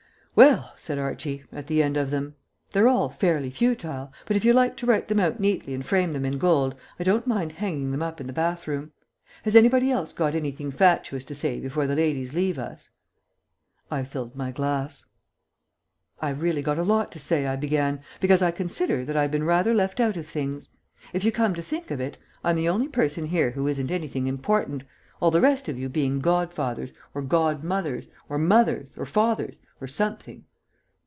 "Well," said Archie, at the end of them, "they're all fairly futile, but if you like to write them out neatly and frame them in gold I don't mind hanging them up in the bathroom. Has anybody else got anything fatuous to say before the ladies leave us?" I filled my glass. "I've really got a lot to say," I began, "because I consider that I've been rather left out of things. If you come to think of it, I'm the only person here who isn't anything important, all the rest of you being godfathers, or godmothers, or mothers, or fathers, or something.